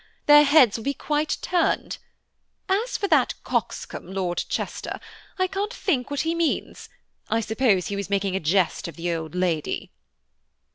Their heads will be quite turned. As for that coxcomb, Lord Chester, I can't think what he means–I suppose he was making a jest of the old lady."